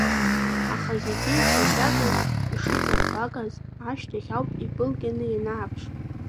Аха зегьы шеижьагаз, ишыҵарбгагаз ашьҭахь ауп ибылгьаны ианааԥш.